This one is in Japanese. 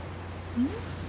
うん？